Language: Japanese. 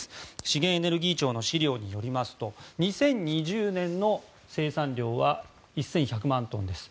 資源エネルギー庁の資料によりますと２０２０年の生産量は１１００万トンです。